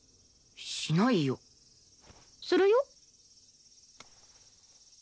しないよ。するよ。